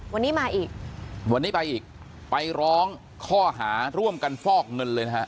วันนี้มาอีกวันนี้ไปอีกไปร้องข้อหาร่วมกันฟอกเงินเลยนะฮะ